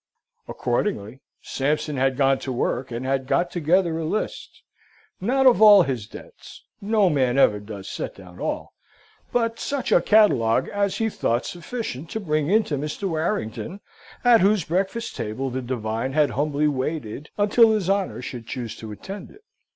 Accordingly Sampson had gone to work, and had got together a list, not of all his debts no man ever does set down all, but such a catalogue as he thought sufficient to bring in to Mr. Warrington, at whose breakfast table the divine had humbly waited until his honour should choose to attend it.